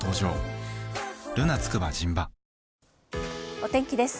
お天気です。